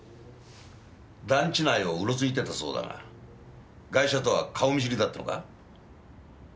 団地内をうろついてたそうだがガイシャとは顔見知りだったのか？